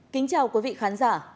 kính chào quý vị khán giả